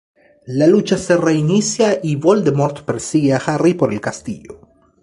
La lucha se reinicia y Voldemort persigue a Harry por el castillo.